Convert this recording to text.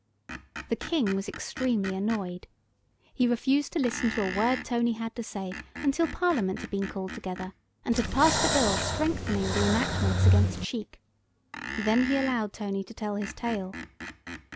The King was extremely annoyed. He refused to listen to a word Tony had to say until Parliament had been called together, and had passed a Bill strengthening the enactments against cheek. Then he allowed Tony to tell his tale.